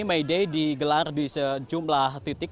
may day digelar di sejumlah titik